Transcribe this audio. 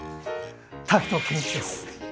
滝藤賢一です。